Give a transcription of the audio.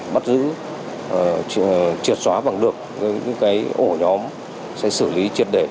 bắt giữ triệt xóa bằng được những cái ổ nhóm sẽ xử lý triệt để